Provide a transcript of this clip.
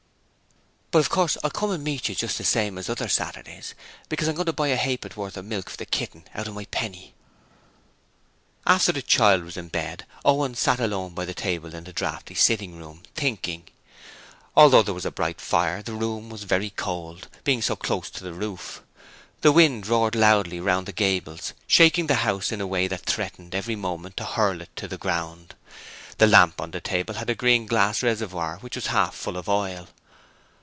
'But of course I'll come to meet you just the same as other Saturdays, because I'm going to buy a ha'porth of milk for the kitten out of my penny.' After the child was in bed, Owen sat alone by the table in the draughty sitting room, thinking. Although there was a bright fire, the room was very cold, being so close to the roof. The wind roared loudly round the gables, shaking the house in a way that threatened every moment to hurl it to the ground. The lamp on the table had a green glass reservoir which was half full of oil.